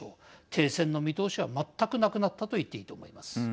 停戦の見通しは全くなくなったと言っていいと思います。